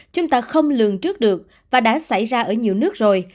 chúng ta không lường trước được và đã xảy ra ở nhiều nước rồi